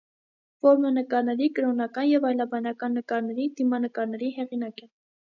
Որմնանկարների, կրոնական և այլաբանական նկարների, դիմանկարների հեղինակ է։